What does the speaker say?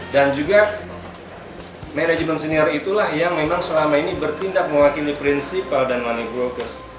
dan juga manajemen senior itulah yang memang selama ini bertindak mewakili prinsipal dan money brokers